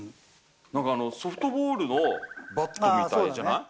なんかソフトボールのバットみたいじゃない？